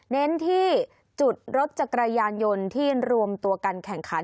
เน้นที่จุดรถจักรยานยนต์ที่รวมตัวกันแข่งขัน